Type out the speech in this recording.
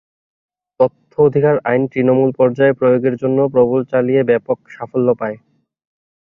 তথ্য অধিকার আইন তৃণমূল পর্যায়ে প্রয়োগের জন্যও প্রবল চালিয়ে ব্যাপক সাফল্য পায়।